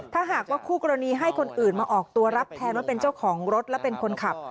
ถ้าหากว่าคู่กรณีให้คนอื่นมาออกตัวรับแทนว่าเป็นเจ้าของรถและเป็นคนขับ